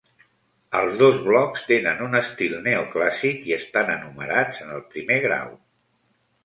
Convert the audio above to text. Els dos blocs tenen un estil neoclàssic i estan enumerats en el primer grau.